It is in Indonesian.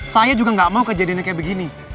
saya juga gak mau kejadiannya kayak begini